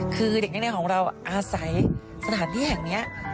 คือเด็กแน่ของเราอาศัยสถานที่แห่งนี้